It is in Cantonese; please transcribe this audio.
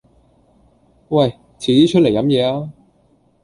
喂，遲啲出嚟飲嘢啊